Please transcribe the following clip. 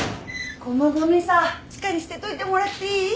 このごみさ地下に捨てといてもらっていい？